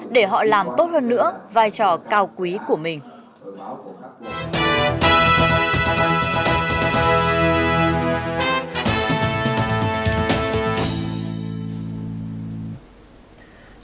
để họ làm tốt hơn nữa vai trò cao quý của mình